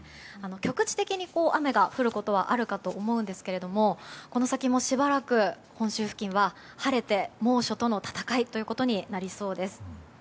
局地的に雨が降ることはあるかと思うんですがこの先もしばらく本州付近は晴れて猛暑との戦いとなりそうです。